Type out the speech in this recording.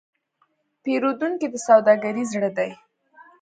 پیرودونکی د سوداګرۍ زړه دی.